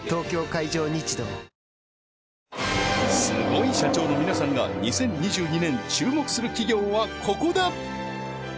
スゴい社長の皆さんが２０２２年注目する企業はここだ！